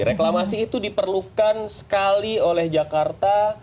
reklamasi itu diperlukan sekali oleh jakarta